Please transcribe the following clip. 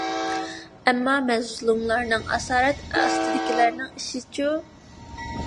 ئەمما، مەزلۇملارنىڭ، ئاسارەت ئاستىدىكىلەرنىڭ ئىشىچۇ؟